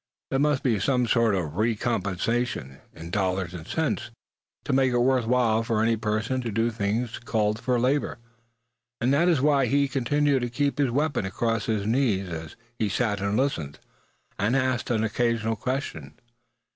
There must be some sort of recompense, in dollars and cents, to make it worth while for any person to do things that called for labor. And that was why he continued to keep his weapon across his knees as he sat and listened, and asked an occasional question.